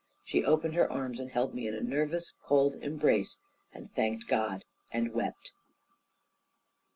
She opened her arms, and held me in a nervous cold embrace, and thanked God, and wept.